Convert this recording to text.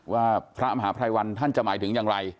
ว่าพระมหาภัยวันท่านจะหมายถึงอย่างไร